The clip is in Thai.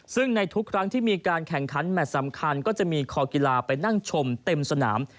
ซึ่งในทุกครั้งที่มีการแข่งขันแมทสำคัญก็จะมีคอกีฬาไปนั่งชมเต็มสนาม